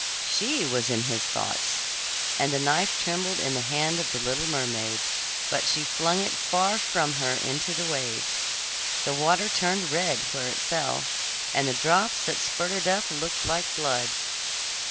She was in his thoughts, and the knife trembled in the hand of the little mermaid but she flung it far from her into the waves. The water turned red where it fell, and the drops that spurted up looked like blood.